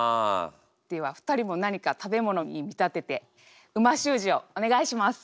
では２人も何か食べ物に見立てて美味しゅう字をお願いします。